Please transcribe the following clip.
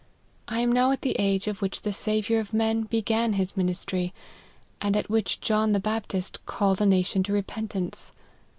I am now at the age at which the Saviour of men began his ministry, and at which John the Baptist called a nation to repentance.